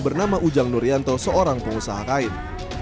bernama ujang nurianto seorang pengusaha kain